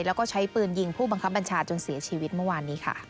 แล้วก็ใช้ปืนยิงผู้บังคับบัญชาจนเสียชีวิตเมื่อวานนี้ค่ะ